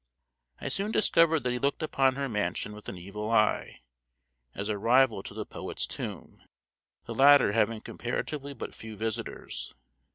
I soon discovered that he looked upon her mansion with an evil eye, as a rival to the poet's tomb, the latter having comparatively but few visitors.